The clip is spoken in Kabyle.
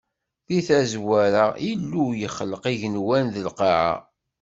Di tazwara, Illu yexleq igenwan d lqaɛa.